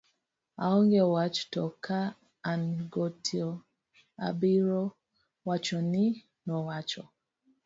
aonge wach to ka an go to abiro wachoni, nowacho